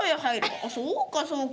あそうかそうか。